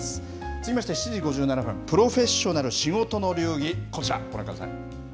続きまして、７時５７分、プロフェッショナル仕事の流儀、こちら、ご覧ください。